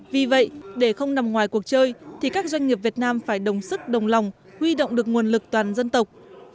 vì vậy để không nằm ngoài cuộc chơi thì các doanh nghiệp việt nam phải đồng sức đồng lòng huy động được nguồn lực toàn dân tộc